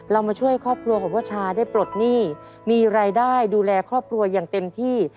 มาช่วยครอบครัวของพ่อชาได้ปลดหนี้มีรายได้ดูแลครอบครัวอย่างเต็มที่